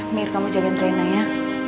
mir kamu jagain rena ya